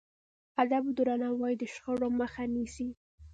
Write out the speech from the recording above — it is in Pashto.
ادب او درناوی د شخړو مخه نیسي.